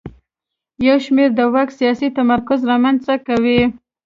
یو شمېر یې د واک سیاسي تمرکز رامنځته کوي.